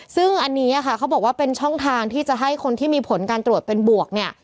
ซึ่งอันนี้ค่ะเขาบอกว่าเป็นช่องทางที่จะให้คนที่มีผลการตรวจเป็นบวกเนี่ย